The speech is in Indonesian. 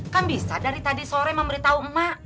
kan bisa dari tadi sore memberitahu emak